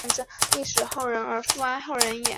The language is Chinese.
道洛什出生在布达佩斯一个犹太人家庭。